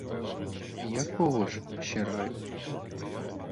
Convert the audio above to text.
Якого ж ще раю?